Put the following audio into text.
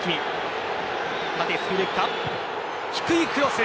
低いクロス。